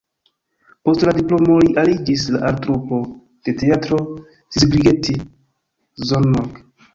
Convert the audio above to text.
Post la diplomo li aliĝis al trupo de Teatro Szigligeti (Szolnok).